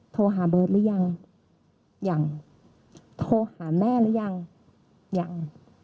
โทรหาเบิร์ตหรือยังยังโทรหาแม่หรือยังยัง